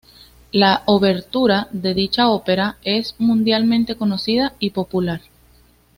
La obertura de dicha opera es mundialmente conocida y popular.